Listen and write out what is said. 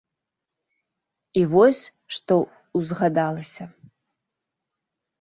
І вось што ўзгадалася.